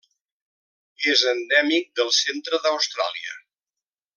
És endèmic del centre d'Austràlia.